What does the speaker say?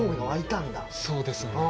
そうですね。